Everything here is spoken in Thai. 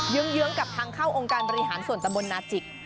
ื้องกับทางเข้าองค์การบริหารส่วนตำบลนาจิก